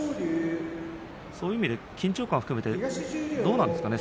そういう意味では緊張感も含めてどうなんでしょうか。